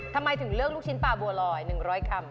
ทำไมถึงเลือกลูกชิ้นปลาบัวลอย๑๐๐กรัม